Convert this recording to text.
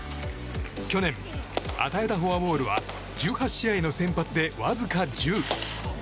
去年、与えたフォアボールは１８試合の先発で、わずか１０。